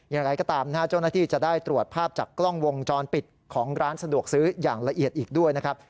อย่างไรก็ตามนะฮะเจ้าหน้าที่จะได้ตรวจภาพจากกล้องวงจรปิดของร้านสะดวกซื้ออย่างละเอียดอีกด้วยนะครับ